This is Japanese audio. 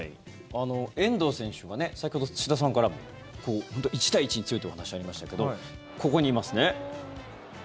遠藤選手は先ほど、土田さんからも１対１に強いというお話ありましたけどここにいますね。